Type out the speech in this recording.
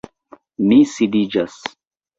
Mi sidiĝas.